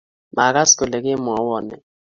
Magaas kole kemwowonee